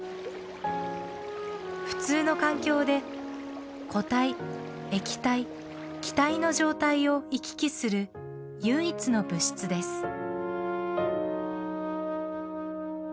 普通の環境で固体液体気体の状態を行き来する唯一の物質です。